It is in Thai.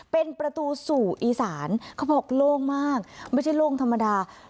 เป็นประตูสู่อีสานเขาบอกโล่งมากไม่ใช่โล่งธรรมดา